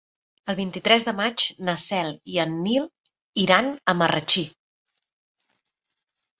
El vint-i-tres de maig na Cel i en Nil iran a Marratxí.